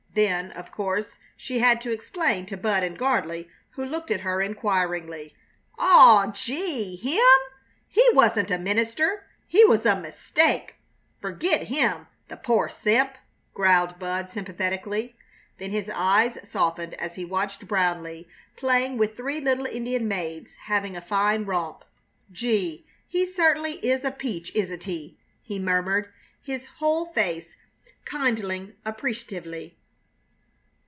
Then, of course, she had to explain to Bud and Gardley, who looked at her inquiringly. "Aw! Gee! Him? He wasn't a minister! He was a mistake! Fergit him, the poor simp!" growled Bud, sympathetically. Then his eyes softened as he watched Brownleigh playing with three little Indian maids, having a fine romp. "Gee! he certainly is a peach, isn't he?" he murmured, his whole face kindling appreciatively.